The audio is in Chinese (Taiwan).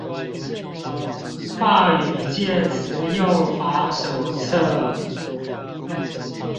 法語介詞用法手冊